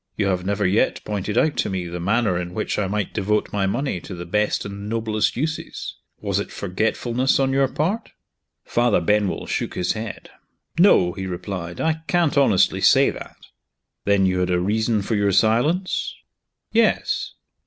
You have never yet pointed out to me the manner in which I might devote my money to the best and noblest uses. Was it forgetfulness on your part?" Father Benwell shook his head. "No," he replied; "I can't honestly say that." "Then you had a reason for your silence?" "Yes."